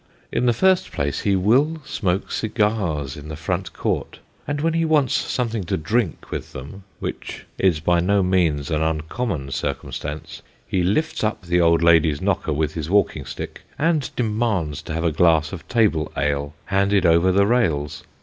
In the first place, he will smoke cigars in the front court, and when he wants something to drink with them which is by no means an un common circumstance he lifts up the old lady's knocker with his walking stick, and demands to have a glass of table ale, handed over the rails.